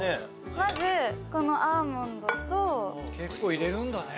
まずこのアーモンドと結構入れるんだね